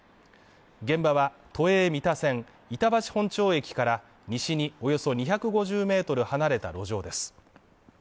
現場は都営三田線板橋本町駅から西におよそ２５０ｍ離れた路上です。